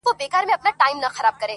پر قاتل یې زیارت جوړ دی بختور دی٫